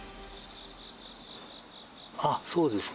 あっ、そうですね。